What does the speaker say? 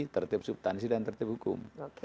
tertib subtansi dan tertib hukum